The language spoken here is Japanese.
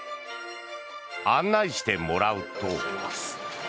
案内してもらうと。